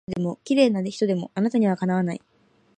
どんない可愛い人でも綺麗な人でもあなたには敵わない